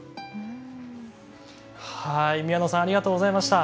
はい宮野さんありがとうございました。